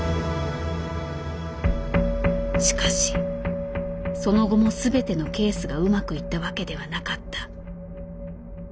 しかしその後も全てのケースがうまくいったわけではなかった。